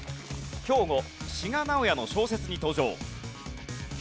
兵庫志賀直哉の小説に登場。